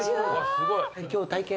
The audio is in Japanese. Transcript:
今日体験